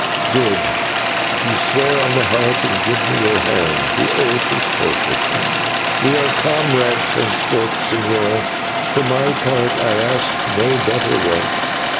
"Good. You swear on the Heart, and give me your hand the oath is perfect. We are comrades henceforth, señor; for my part I ask no better one.